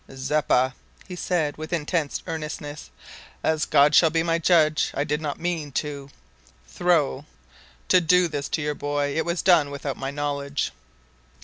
"Zeppa," he said, with intense earnestness, "as God shall be my judge, I did not mean to to throw to do this to your boy. It was done without my knowledge."